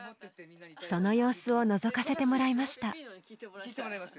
その様子をのぞかせてもらいました。